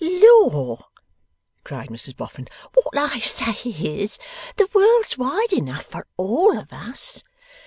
'Lor!' cried Mrs Boffin. 'What I say is, the world's wide enough for all of us!